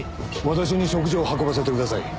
私に食事を運ばせてください。